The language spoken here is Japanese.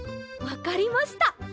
わかりました。